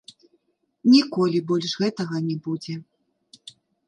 Ніколі больш гэтага не будзе.